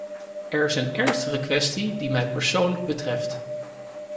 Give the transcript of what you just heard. Er is een ernstige kwestie die mij persoonlijk betreft.